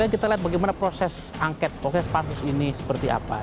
kita lihat bagaimana proses angket proses pansus ini seperti apa